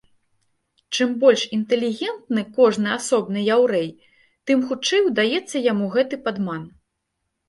Чым больш інтэлігентны кожны асобны яўрэй, тым хутчэй удаецца яму гэты падман.